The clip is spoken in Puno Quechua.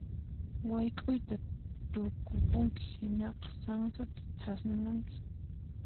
Wayk'uyta tukupunki hinaqa sansata thasnunayki.